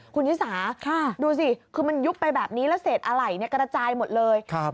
คุณชิสาดูสิคือมันยุบไปแบบนี้แล้วเศษอะไหล่กระจายหมดเลย